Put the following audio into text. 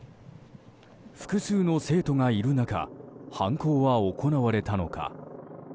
複数の生徒がいる中犯行は行われたのか。